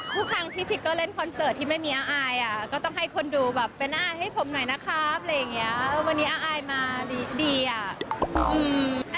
ทุกครั้งที่ทิกเกอร์เล่นคอนเสิร์ตที่ไม่มีอาอายก็ต้องให้คนดูแบบเป็นอาอายให้ผมหน่อยนะครับวันนี้อาอายมาดีอ่ะ